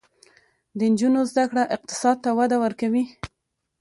د نجونو زده کړه اقتصاد ته وده ورکوي.